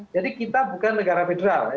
jadi kita bukan negara federal